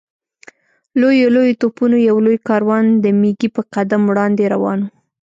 لویو لویو توپونو یو لوی کاروان د مېږي په قدم وړاندې روان و.